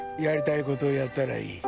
やりたいことやったらいい。